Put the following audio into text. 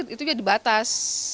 itu juga dibatas